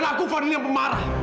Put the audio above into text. dan aku fadil yang pemarah